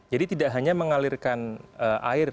jadi tidak hanya mengalirkan air